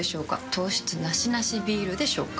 糖質ナシナシビールでしょうか？